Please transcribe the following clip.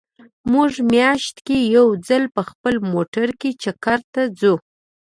مونږ مياشت کې يو ځل په خپل موټر کې چکر ته ځو